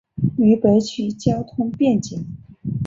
渝北区交通便捷。